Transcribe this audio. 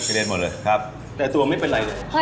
เด็นหมดเลยครับแต่ตัวไม่เป็นไรเลย